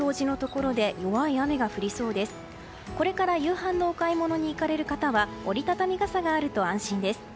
これから夕飯のお買い物に行かれる方は折り畳み傘があると安心です。